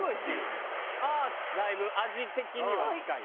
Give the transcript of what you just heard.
ああだいぶ味的には近い。